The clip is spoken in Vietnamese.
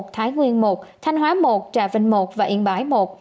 thái nguyên một thanh hóa một trà vinh một yên bãi một